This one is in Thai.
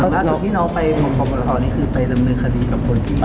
อเจมส์ณที่น้องไปมงคบตนี้คือไปนำเนื้อคดีกับคนมีครับ